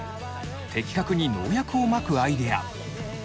的確に農薬をまくアイデア。